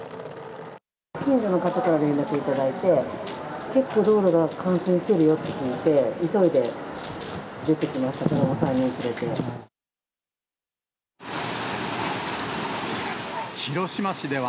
近所の方から連絡頂いて、結構道路が冠水してるよって聞いて、急いで出てきました、子ども